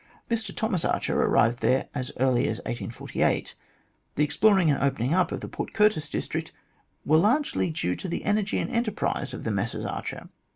Mr Thomas Archer arrived there as early as 1848. The exploring and opening up of the Port Curtis district were largely due to the energy and enterprise of the Messrs Archer.